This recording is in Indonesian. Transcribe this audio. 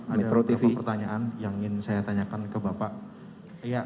ada beberapa pertanyaan yang ingin saya tanyakan ke bapak